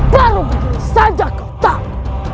baru bilang saja kau tahu